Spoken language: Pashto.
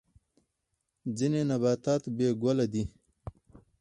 ځینې نباتات بې ګله دي